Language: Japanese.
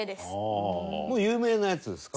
有名なやつですか？